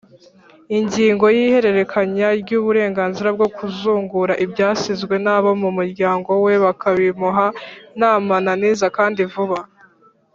Ingingo y’Ihererekanya ry’uburenganzira bwo kuzungura ibyasizwe nabo mu muryango we bakabimuha ntamananiza kandi vuba.